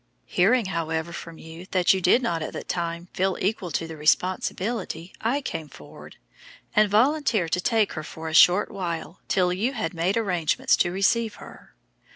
Hearing, however, from you that you did not at that time feel equal to the responsibility, I came forward and volunteered to take her for a short while till you had made arrangements to receive her.